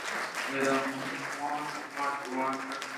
ادا ماں ءُشما درآمد یں